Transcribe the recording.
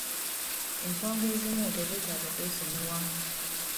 Ensonga ezimu tezeetaaga kwesonyiwa.